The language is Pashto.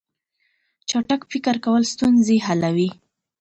چټک فکر کول ستونزې حلوي.